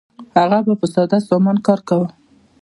هغه به په ساده سامان کار کاوه.